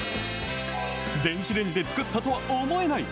電子レンジで作ったとは思えない。